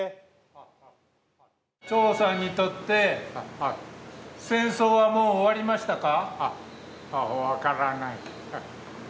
趙さんにとって、戦争はもう終わりましたか？